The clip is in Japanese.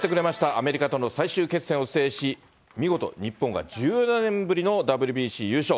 アメリカとの最終決戦を制し、見事、日本が１４年ぶりのＷＢＣ優勝。